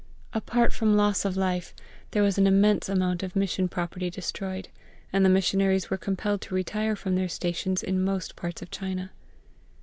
Apart from loss of life, there was an immense amount of Mission property destroyed, and the missionaries were compelled to retire from their stations in most parts of China.